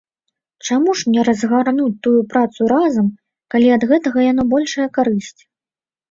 Чаму ж не разгарнуць тую працу разам, калі ад гэтага яно большая карысць?